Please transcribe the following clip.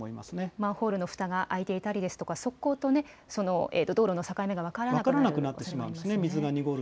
マンホールのふたが開いていたりですとか、側溝と道路の境目分からなくなってしまいます